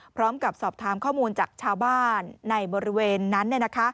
พร้อมกับสอบถามข้อมูลจากชาวบ้านในบริเวณนั้น